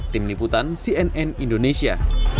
tim liputan cnn indonesia